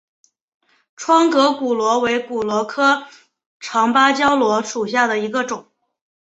窗格骨螺为骨螺科长芭蕉螺属下的一个种。